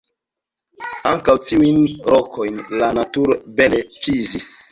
Ankaŭ tiujn rokojn la naturo bele ĉizis.